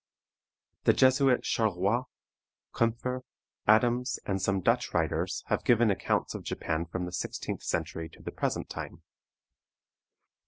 The Jesuit Charleroix, Koempfer, Adams, and some Dutch writers, have given accounts of Japan from the sixteenth century to the present time.